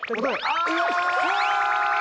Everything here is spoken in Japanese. うわ！